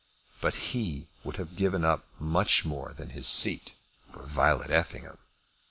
But he would have given up much more than his seat for Violet Effingham!